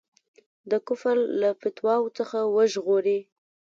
د کفر له فتواوو څخه وژغوري.